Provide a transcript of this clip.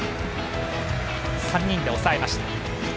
３人で抑えました。